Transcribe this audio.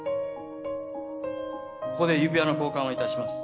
ここで指輪の交換をいたします。